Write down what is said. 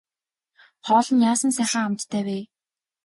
Хоол нь яасан сайхан амттай вэ.